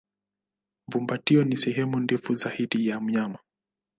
Fumbatio ni sehemu ndefu zaidi ya mnyama.